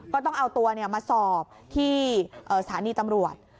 ก็ต้องเอาตัวมาสอบที่สถานีตำรวจ